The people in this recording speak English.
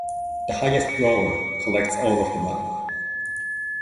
The highest roller collects all of the money.